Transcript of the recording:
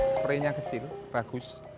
spray nya kecil bagus